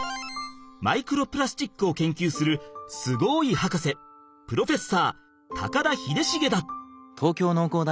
マイクロプラスチックを研究するすごいはかせプロフェッサー高田秀重だ！